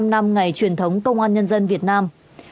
bảy mươi năm năm ngày truyền thống công an nhân dân việt nam